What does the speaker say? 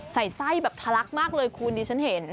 ใส่ไส้แบบทะลักมากเลยคุณดิฉันเห็น